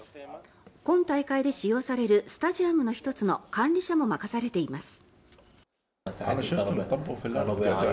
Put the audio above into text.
今大会で使用されるスタジアムの１つの管理者も任されています。